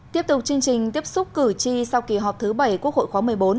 tiếp tục chương trình tiếp xúc cử tri sau kỳ họp thứ bảy quốc hội khóa một mươi bốn